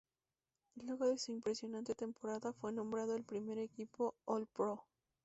Luego de su impresionante temporada, fue nombrado al primer equipo All-Pro.